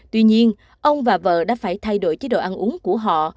tuy nhiên ông và vợ đã phải thay đổi chế độ ăn uống của họ